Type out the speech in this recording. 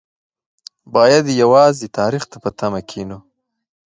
باید یوازې تاریخ ته په تمه کېنو.